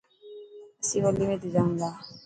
اسين وليمي تي جائون تا.